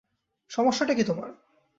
সমস্যাটা কী তোমার?